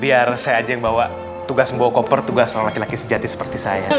biar saya aja yang bawa tugas membawa koper tugas laki laki sejati seperti saya